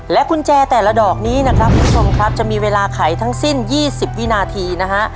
กุญแจแต่ละดอกนี้นะครับคุณผู้ชมครับจะมีเวลาไขทั้งสิ้น๒๐วินาทีนะฮะ